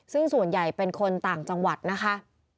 ซึ่งส่วนใหญ่เป็นคนต่างจังหวัดนะคะ